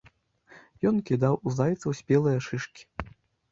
Ён кідаў у зайцаў спелыя шышкі.